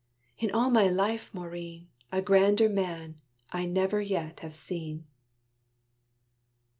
in all my life, Maurine, A grander man I never yet have seen."